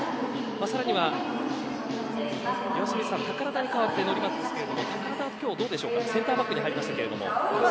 さらには宝田に代わって乗松ですが宝田、今日どうでしょうかセンターバックに入りましたが。